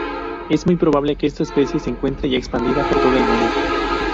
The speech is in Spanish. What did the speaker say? Es muy probable que esta especie se encuentre ya expandida por todo el mundo.